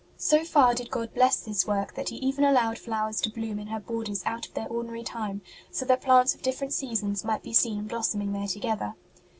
So far did God bless this work that He even allowed flowers to bloom in her borders out of their ordinary time, so that plants of different ROSE S DOMESTIC LIFE 77 seasons might be seen blossoming there together.